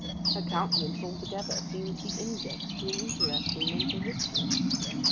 Her countenance altogether seemed the index to an interesting mental history.